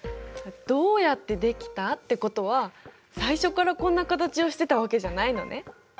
どうやってできたってことは最初からこんな形をしてたわけじゃないのね。